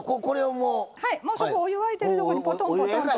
もうそこお湯沸いてるところにポトンポトンと。